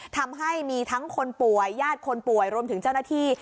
ทำให้มีทั้งคนป่วยญาติคนป่วยรวมถึงเจ้าหน้าที่